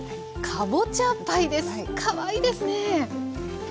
かわいいですね。